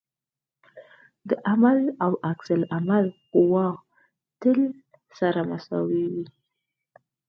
د عمل او عکس العمل قوې تل سره مساوي دي.